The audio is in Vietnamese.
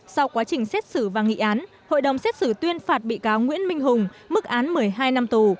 sau quá trình xét xử và nghị án hội đồng xét xử tuyên phạt bị cáo nguyễn minh hùng mức án một mươi hai năm tù